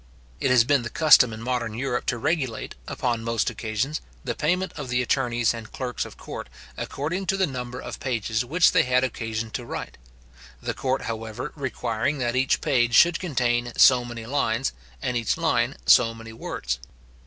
It has been the custom in modern Europe to regulate, upon most occasions, the payment of the attorneys and clerks of court according to the number of pages which they had occasion to write; the court, however, requiring that each page should contain so many lines, and each line so many words.